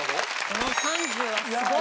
この３０はすごい。